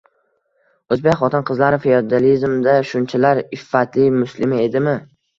O’zbek xotin-qizlari feodalizmda shunchalar... iffatli muslima edimi?